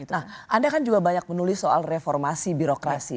nah anda kan juga banyak menulis soal reformasi birokrasi